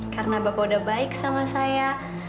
karena bapak udah baik sama saya